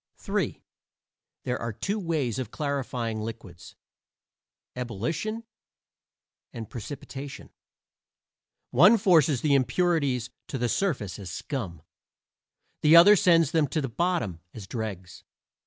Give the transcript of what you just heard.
III There are two ways of clarifying liquids ebullition and precipitation; one forces the impurities to the surface as scum, the other sends them to the bottom as dregs.